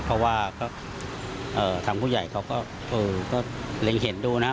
เพราะว่าทางผู้ใหญ่เขาก็เล็งเห็นดูนะ